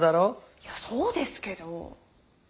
いやそうですけど。